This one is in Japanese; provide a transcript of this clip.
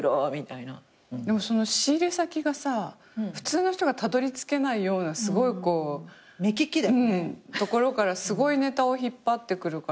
でもその仕入れ先がさ普通の人がたどり着けないようなすごい所からすごいネタを引っ張ってくるから。